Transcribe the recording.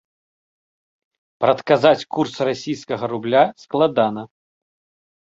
Прадказаць курс расійскага рубля складана.